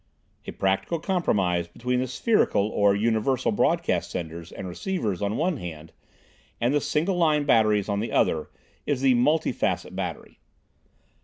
A practical compromise between the spherical or universal broadcast senders and receivers on the one hand, and the single line batteries on the other, is the multi facet battery.